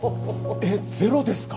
えっゼロですか？